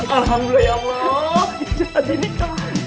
alhamdulillah ya allah